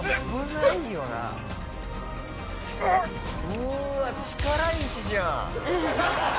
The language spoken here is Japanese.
うわ力石じゃん。